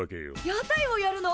屋台をやるの？